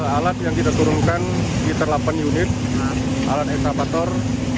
alat yang kita turunkan di terlapan unit alat ekstrapator